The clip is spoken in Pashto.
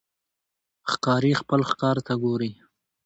ښکاري خپل ښکار ته ګوري.